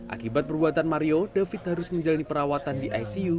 akibat perbuatan mario david harus menjalani perawatan di icu